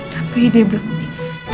tapi dia belum nge